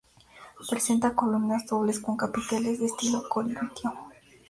Presenta columnas dobles con capiteles de estilo corintio.